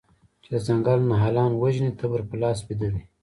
چې د ځنګل نهالان وژني تبر په لاس بیده دی